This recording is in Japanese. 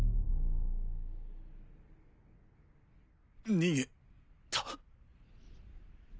逃げた？